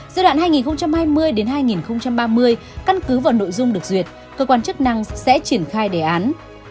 giai đoạn hai nghìn hai mươi hai nghìn ba mươi căn cứ vào nội dung được duyệt cơ quan chức năng sẽ triển khai đề án